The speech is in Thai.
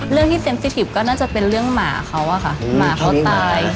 เรื่องที่เซ็นซิปก็น่าจะเป็นเรื่องหมาเขาอะค่ะหมาเขาตาย